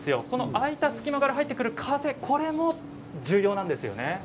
開いた隙間から入ってくる風これも重要なんですよね。